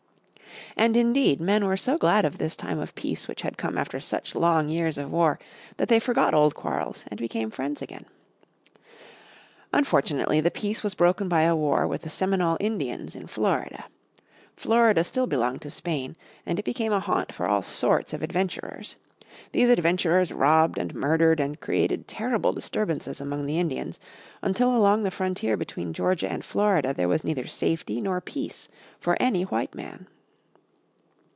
And indeed men were so glad of this time of peace which had come after such long years of war that they forgot old quarrels and became friends again. Unfortunately the peace was broken by a war with the Seminole Indians in Florida. Florida still belonged to Spain, and it became a haunt for all sorts of adventurers. These adventurers robbed, and murdered, and created terrible disturbances among the Indians, until along the frontier between Georgia and Florida there was neither safety nor peace for any white man.